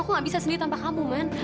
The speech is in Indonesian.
aku gak bisa sendiri tanpa kamu kan